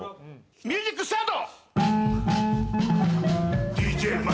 ミュージックスタート！